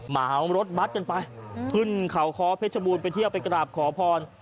เมารถบัตรกันไปขึ้นเขาคอเพชรบูรไปเที่ยวไปกราบขอพร